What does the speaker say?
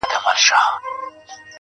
بل زورور دي په ښارونو کي په دار کي خلک٫